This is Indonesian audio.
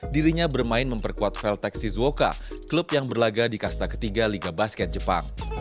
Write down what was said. dirinya bermain memperkuat veltex sizuoka klub yang berlaga di kasta ketiga liga basket jepang